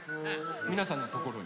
みなさんのところに。